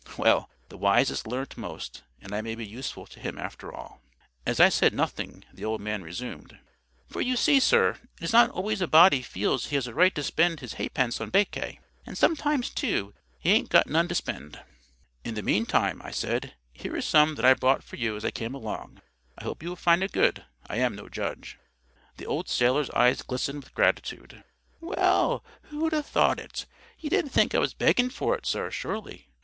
Well, the wisest learn most, and I may be useful to him after all." As I said nothing, the old man resumed— "For you see, sir, it is not always a body feels he has a right to spend his ha'pence on baccay; and sometimes, too, he aint got none to spend." "In the meantime," I said, "here is some that I bought for you as I came along. I hope you will find it good. I am no judge." The old sailor's eyes glistened with gratitude. "Well, who'd ha' thought it. You didn't think I was beggin' for it, sir, surely?"